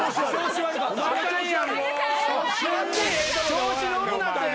調子乗るなって。